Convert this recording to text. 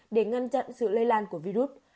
để ngăn chặn sự lây lan của virus